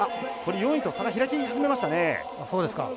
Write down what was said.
４位と差が開き始めましたね。